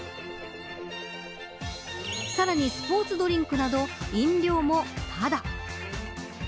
さらにスポーツドリンクなど飲料もただ。